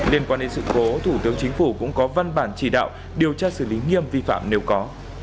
liên quan đến sự cố thủ tướng chính phủ cũng có văn bản chỉ đạo điều tra xử lý nghiêm vi phạm nếu có